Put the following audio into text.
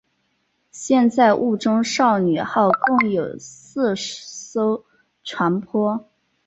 现在雾中少女号共有四艘船舶。